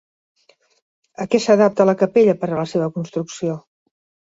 A què s'adapta la capella per a la seva construcció?